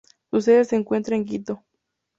Su sede se encuentra en Quito.